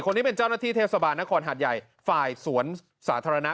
คนนี้เป็นเจ้าหน้าที่เทศบาลนครหาดใหญ่ฝ่ายสวนสาธารณะ